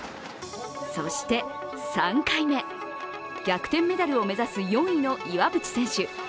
そして３回目、逆転メダルを目指す４位の岩渕選手。